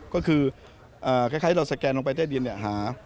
ก็คือใครเราสแกนลงไปใต้ดินเนี่ย